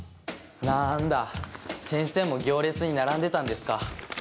なんだ先生も行列に並んでたんですか。